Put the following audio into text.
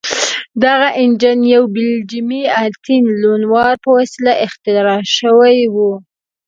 دغه انجن یو بلجیمي اتین لونوار په وسیله اختراع شوی و.